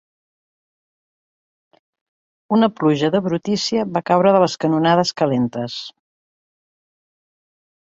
Una pluja de brutícia va caure de les canonades calentes.